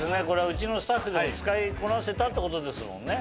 うちのスタッフでも使いこなせたってことですもんね。